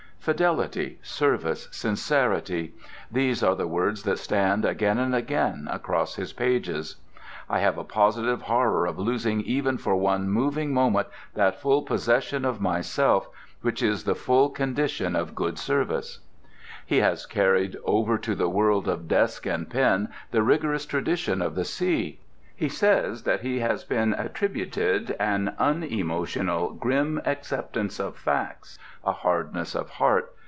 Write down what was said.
Fidelity, service, sincerity—those are the words that stand again and again across his pages. "I have a positive horror of losing even for one moving moment that full possession of myself which is the first condition of good service." He has carried over to the world of desk and pen the rigorous tradition of the sea. He says that he has been attributed an unemotional, grim acceptance of facts, a hardness of heart.